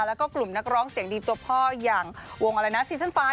และกลุ่มนักร้องเสียงดีตัวพ่ออย่างวงโซน๕